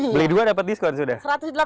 beli dua dapat diskon sudah